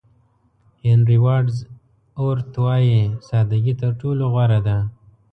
هېنري واډز اورت وایي ساده ګي تر ټولو غوره ده.